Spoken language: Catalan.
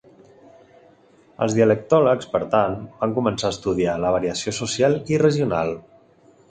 Els dialectòlegs, per tant, van començar a estudiar la variació social i regional.